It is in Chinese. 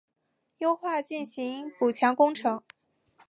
优先进行补强工程